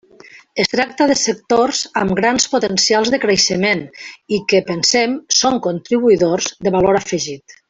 Es tracta de sectors amb grans potencials de creixement, i que, pensem, són contribuïdors de valor afegit.